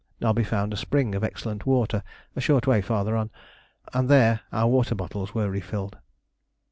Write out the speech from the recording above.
Nobby found a spring of excellent water a short way farther on, and there our water bottles were refilled.